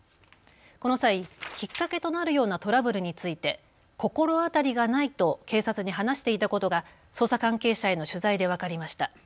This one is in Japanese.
この際、きっかけとなるようなトラブルについて心当たりがないと警察に話していたことが捜査関係者への取材で分かりました。